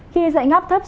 khi dãy ngắp thấp